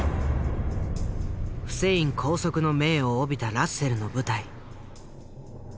フセイン拘束の命を帯びたラッセルの部隊。